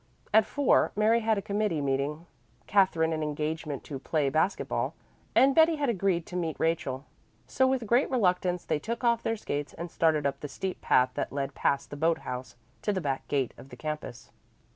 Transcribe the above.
At four Mary had a committee meeting, Katherine an engagement to play basket ball, and Betty had agreed to meet Rachel. So with great reluctance they took off their skates and started up the steep path that led past the boat house to the back gate of the campus.